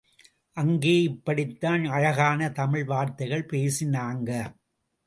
அங்கே இப்படித் தான் அழகான தமிழ் வார்த்தைகள் பேசினாங்க.